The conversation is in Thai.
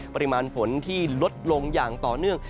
ปริมาณฝนที่ลดลงอย่างต่อเนื่อง